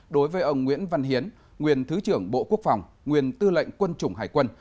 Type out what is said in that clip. đối với ông nguyễn văn hiến nguyên thứ trưởng bộ quốc phòng nguyên tư lệnh quân chủng hải quân